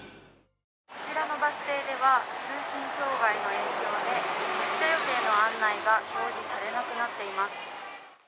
こちらのバス停では、通信障害の影響で発車予定の案内が表示されなくなっています。